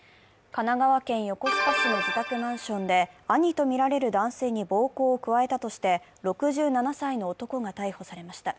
神奈川県横須賀市の自宅マンションで、兄とみられる男性に暴行を加えたとして６７歳の男が逮捕されました。